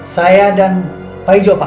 saya dan pak ijo pak